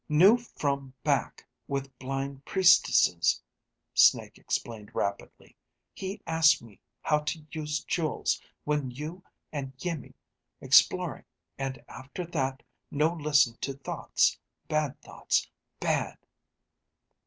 Know ... from ... back ... with ... blind ... priestesses, Snake explained rapidly. _He ... ask ... me ... how ... to ... use ... jewels.. when ... you ... and ... Iimmi ... exploring ... and ... after ... that ... no ... listen ... to ... thoughts ... bad ... thoughts ... bad